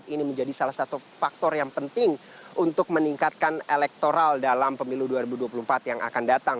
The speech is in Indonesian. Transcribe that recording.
ini menjadi salah satu faktor yang penting untuk meningkatkan elektoral dalam pemilu dua ribu dua puluh empat yang akan datang